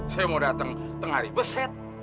saya mau datang tengah hari beset